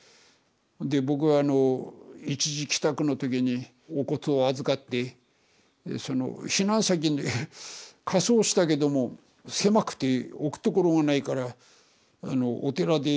で僕は一時帰宅の時にお骨を預かって避難先に火葬したけども狭くて置くところがないからお寺で本堂に納めてくんねえかって。